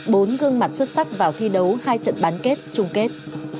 bốn gương mặt xuất sắc vào thi đấu hai trận bán kết chung kết